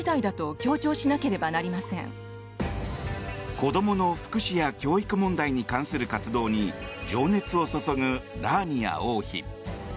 子供の福祉や教育問題に関する活動に情熱を注ぐラーニア王妃。